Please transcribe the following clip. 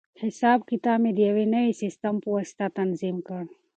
حساب کتاب مې د یوې نوې سیسټم په واسطه تنظیم کړ.